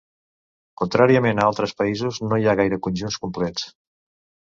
Contràriament a altres països, no hi ha gaire conjunts complets.